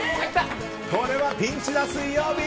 これはピンチだ、水曜日。